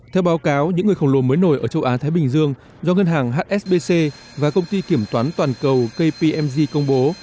theo báo cáo những người khổng lồ mới nổi ở châu á thái bình dương do ngân hàng hsbc và công ty kiểm toán toàn cầu kpmg công bố